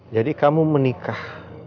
jadi kamu menikah